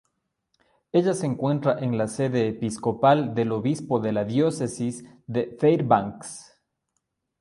En ella se encuentra la sede episcopal del obispo de la Diócesis de Fairbanks.